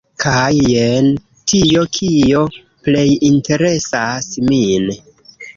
Kaj jen tio kio plej interesas min!